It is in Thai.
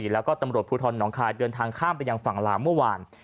แล้วก็ตำรวจภูทรหนองคายเดินทางข้ามไปยังฝั่งลาวเมื่อวาน